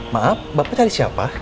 maaf bapak cari siapa